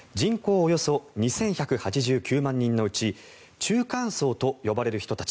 およそ２１８９万人のうち中間層と呼ばれる人たち